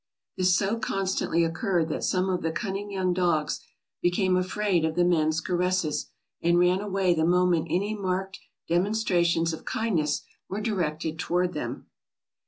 This so constantly occurred that some of the cunning young dogs became afraid of the men's caresses and ran away the moment any marked demonstrations of kindness were directed toward them.